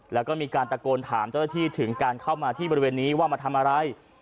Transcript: แล้วก็มีการตะโกนถามเจ้าหน้าที่ถึงการเข้ามาที่บริเวณนี้ว่ามาทำอะไร